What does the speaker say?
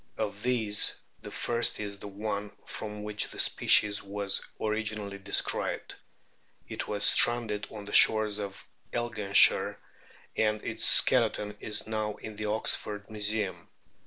Of these the first is the one from which the species was originally described. It was stranded on the shores of Elginshire, and its skeleton is now in the Oxford Museum.